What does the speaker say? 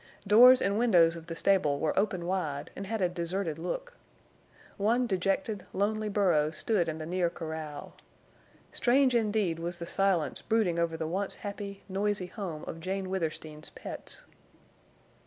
Doors and windows of the stable were open wide and had a deserted look. One dejected, lonely burro stood in the near corral. Strange indeed was the silence brooding over the once happy, noisy home of Jane Withersteen's pets.